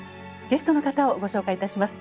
ゲストの方をご紹介いたします。